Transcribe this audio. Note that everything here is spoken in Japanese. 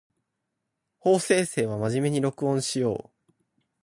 法政生は真面目に録音しよう